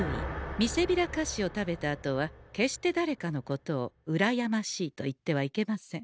みせびら菓子を食べたあとは決してだれかのことを「うらやましい」と言ってはいけません。